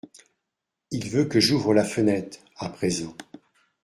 Il veut que j’ouvre la fenêtre, à présent…